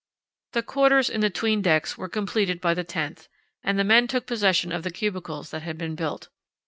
The quarters in the 'tween decks were completed by the 10th, and the men took possession of the cubicles that had been built.